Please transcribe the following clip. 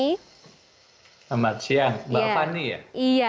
selamat siang mbak fani ya